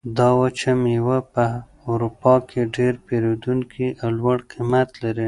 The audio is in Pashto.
دا وچه مېوه په اروپا کې ډېر پېرودونکي او لوړ قیمت لري.